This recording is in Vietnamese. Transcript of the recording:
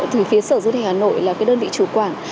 thì phía sở du lịch hà nội là cái đơn vị chủ quản